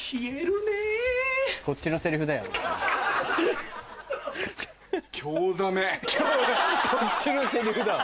こっちのセリフだわ。